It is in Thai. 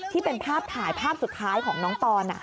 ที่เป็นภาพถ่ายภาพสุดท้ายของน้องปอน